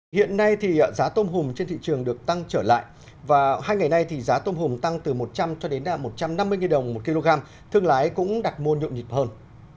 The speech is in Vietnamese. hiện nay thì giá tôm hùm trên thị trường được tăng trở lại và hai ngày nay thì giá tôm hùm tăng từ một trăm linh cho đến một trăm năm mươi đồng một kg thương lái cũng đặt môn nhộn nhịp hơn